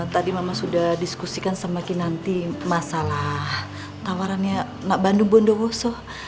tadi mama sudah diskusikan sama kinanti masalah tawarannya nak bandung buandawoso